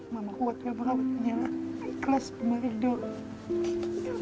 mama kuat ya beramanya ikhlas baik doa